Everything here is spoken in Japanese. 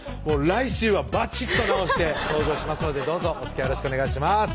来週はバチッと治して登場しますのでどうぞおつきあいよろしくお願いします